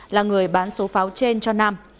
là người bán số pháo trái phép